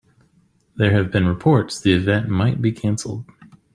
There have been reports the event might be canceled.